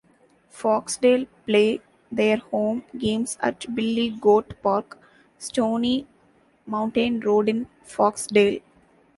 Foxdale play their home games at Billy Goat Park, Stoney Mountain Road in Foxdale.